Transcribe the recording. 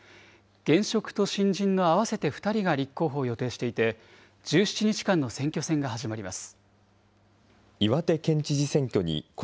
現職と新人の合わせて２人が立候補を予定していて、１７日間の選挙戦が始まります。